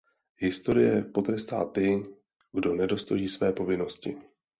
Historie potrestá ty, kdo nedostojí své povinnosti.